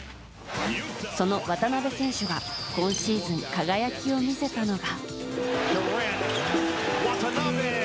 その渡邊選手が今シーズン輝きを見せたのが。